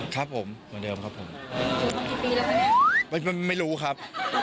ครับผมเหมือนเดิมครับผมไม่ไม่ไม่รู้ครับ